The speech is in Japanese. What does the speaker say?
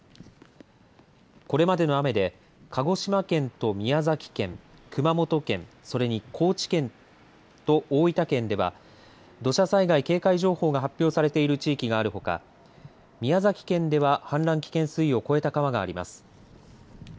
これまでの雨で鹿児島県と宮崎県、熊本県、それに高知県と大分県では土砂災害警戒情報が発表されている地域があるほか宮崎県では氾濫危険水位を超えた川があります。